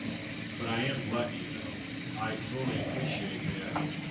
But I am lucky, though, — I fully appreciate that.